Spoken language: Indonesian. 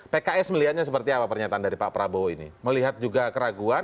pks melihatnya seperti apa pernyataan dari pak prabowo ini melihat juga keraguan